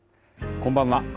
こんばんは。